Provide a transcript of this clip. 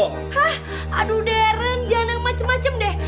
hah aduh darren jangan macem macem deh